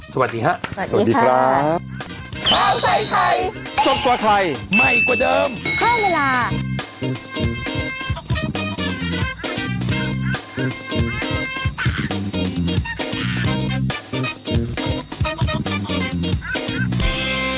สวัสดีค่ะสวัสดีครับสวัสดีค่ะสวัสดีค่ะ